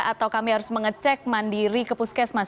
atau kami harus mengecek mandiri ke puskesmas